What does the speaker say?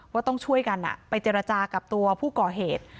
ว่าต้องช่วยกันไปเจรจากับตัวผู้ก่อเหตุ